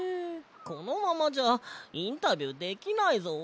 このままじゃインタビューできないぞ。